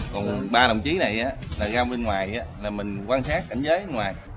còn ba đồng chí ra bên ngoài mình quan sát cảnh giới bên ngoài